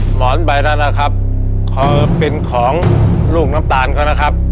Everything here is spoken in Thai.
หมอนใบนั้นนะครับเขาเป็นของลูกน้ำตาลเขานะครับ